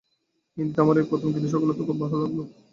হিন্দীতে আমার এই প্রথম, কিন্তু সকলের তো খুব ভাল লাগল।